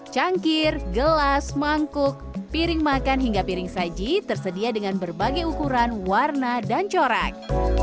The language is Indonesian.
cangkir gelas mangkuk piring makan hingga piring saji tersedia dengan berbagai ukuran warna dan corak